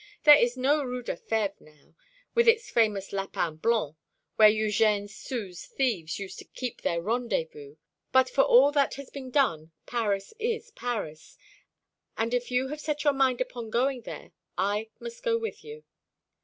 There is no Rue des Fèves now, with its famous Lapin Blanc, where Eugène Sue's thieves used to keep their rendezvous; but for all that has been done, Paris is Paris and if you have set your mind upon going there, I must go with you."